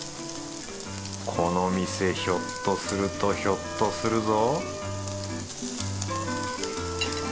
この店ひょっとするとひょっとするぞ